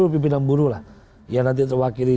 pimpinan buruh lah yang nanti terwakili